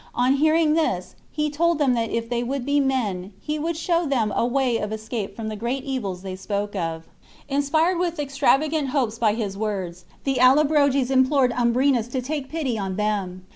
On hearing this, he told them that if they v/ould be men, he would show them a way of escape from the great evils they spoke of. Inspired with extrava gant hopes by his words, the AUobroges implored Umbrenus to take pity on them.